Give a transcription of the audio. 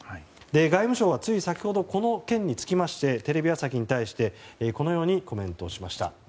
外務省はつい先ほどこの件につきましてテレビ朝日に対してこのようにコメントしました。